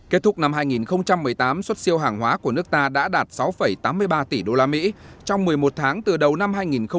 kết thúc năm hai nghìn một mươi tám xuất siêu hàng hóa của nước ta đã đạt sáu tám mươi ba tỷ usd trong một mươi một tháng từ đầu năm hai nghìn một mươi chín